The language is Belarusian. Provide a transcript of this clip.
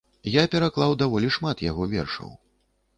Я пераклаў даволі шмат яго вершаў.